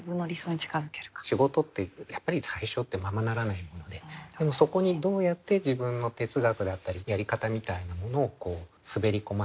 仕事ってやっぱり最初ってままならないものででもそこにどうやって自分の哲学だったりやり方みたいなものを滑り込ませていく。